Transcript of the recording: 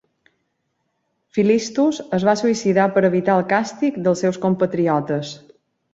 Philistus es va suïcidar per evitar el càstig dels seus compatriotes.